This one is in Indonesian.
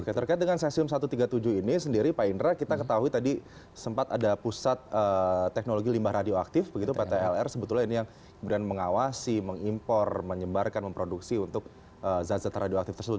oke terkait dengan cesium satu ratus tiga puluh tujuh ini sendiri pak indra kita ketahui tadi sempat ada pusat teknologi limbah radioaktif begitu pt lr sebetulnya ini yang kemudian mengawasi mengimpor menyebarkan memproduksi untuk zat zat radioaktif tersebut